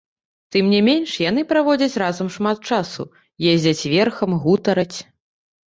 Тым не менш, яны праводзяць разам шмат часу, ездзяць верхам, гутараць.